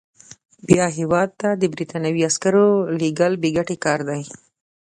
بیا هیواد ته د برټانوي عسکرو لېږل بې ګټې کار دی.